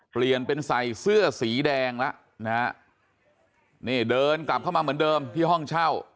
เปลี่ยนเป็นใส่เสื้อสีแดงแล้วนะฮะนี่เดินกลับเข้ามาเหมือนเดิมที่ห้องเช่า